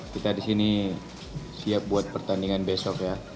kita di sini siap buat pertandingan besok ya